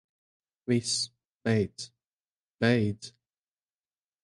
Viss, beidz. Beidz.